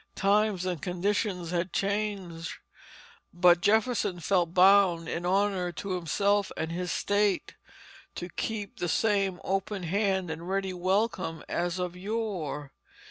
Times and conditions had changed, but Jefferson felt bound in honor to himself and his state to keep the same open hand and ready welcome as of yore.